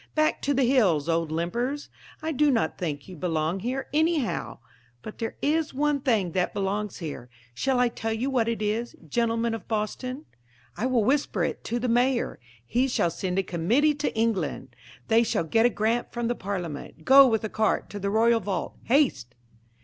back to the hills, old limpers! I do not think you belong here, anyhow. But there is one thing that belongs here shall I tell you what it is, gentlemen of Boston? I will whisper it to the Mayor he shall send a committee to England; They shall get a grant from the Parliament, go with a cart to the royal vault haste!